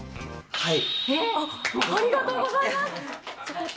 はい。